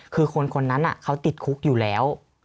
คือคนนั้นเขาติดคุกอยู่แล้ว